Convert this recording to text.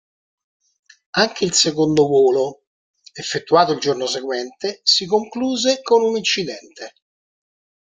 Anche il secondo volo, effettuato il giorno seguente, si concluse con un incidente.